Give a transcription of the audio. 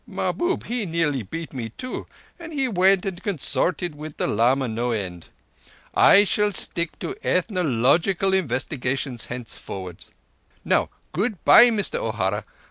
Mahbub he nearly beat me too, and he went and consorted with the lama no end. I shall stick to ethnological investigations henceforwards. Now good bye, Mister O'Hara.